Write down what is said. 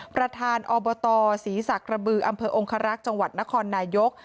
ประธานอบตศรีศักดิ์ระบืออำเภอองคารักษ์จังหวัดนครนายก